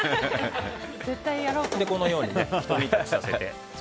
このように、ひと煮立ちさせて。